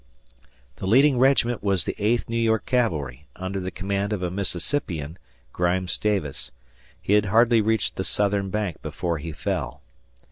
The leading regiment was the Eighth New York Cavalry under the command of a Mississippian, "Grimes" Davis. He had hardly reached the southern bank before he fell.